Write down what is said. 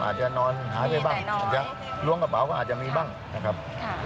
อาจจะนอนหายไปบ้างอาจจะล้วงกระเป๋าก็อาจจะมีบ้างนะครับ